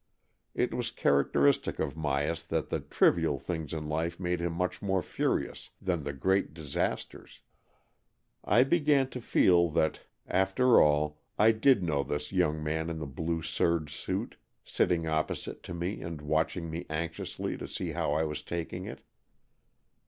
It was characteristic of Myas that the trivial things in life made him much more furious than the great disasters. I began to feel that, after 202 AN EXCHANGE OF SOULS all, I did know this young man in the blue serge suit, sitting opposite to me and watch ing me anxiously to see how I was taking it.